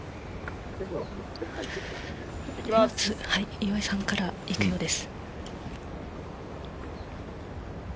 岩井さんからいくようです。